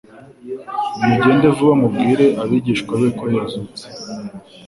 Nimugende vuba mubwire abigishwa be ko yazutse"